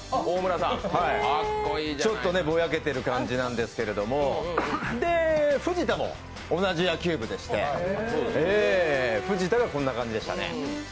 ちょっとぼやけてる感じなんですけど、藤田も同じ野球部でして、藤田がこんな感じでしたね。